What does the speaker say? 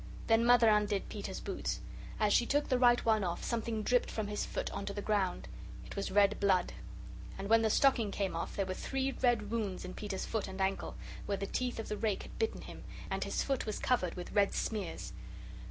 Then Mother undid Peter's boots. As she took the right one off, something dripped from his foot on to the ground. It was red blood. And when the stocking came off there were three red wounds in Peter's foot and ankle, where the teeth of the rake had bitten him, and his foot was covered with red smears.